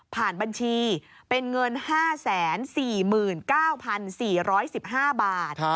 บัญชีเป็นเงิน๕๔๙๔๑๕บาท